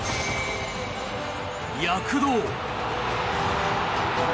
躍動。